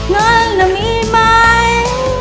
เงินมีไหม